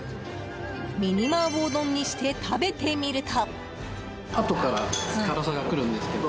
ミニ麻婆丼にして食べてみると。